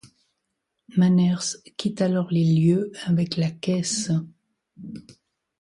Manners quitte alors les lieux avec la caisse.